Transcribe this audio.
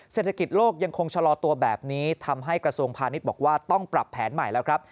เศรษฐกิจโลกยังคงชะลอตัวแบบนี้ทำให้กระทรวงพาณิชย์บอกว่าต้องปรับแผนใหม่แล้วครับ